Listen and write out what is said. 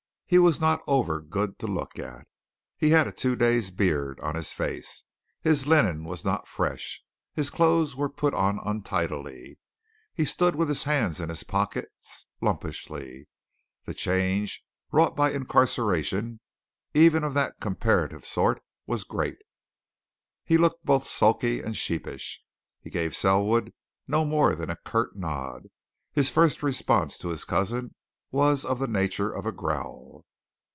He was not over good to look at. He had a two days' beard on his face; his linen was not fresh; his clothes were put on untidily; he stood with his hands in his pockets lumpishly the change wrought by incarceration, even of that comparative sort, was great. He looked both sulky and sheepish; he gave Selwood no more than a curt nod; his first response to his cousin was of the nature of a growl.